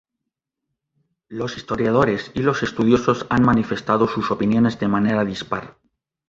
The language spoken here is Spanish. Los historiadores y los estudiosos han manifestado sus opiniones de manera dispar.